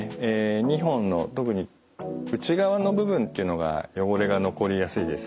２本の特に内側の部分っていうのが汚れが残りやすいです。